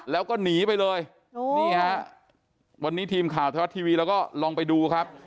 แล้วก็หนีไปเลยนี่ฮะวันนี้ทีมข่าวไทยรัฐทีวีเราก็ลองไปดูครับ